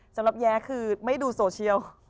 สำหรับแย๊คือไม่ดูโซเชียล